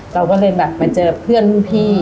เราก็เลยแบบมาเจอเพื่อนรุ่นพี่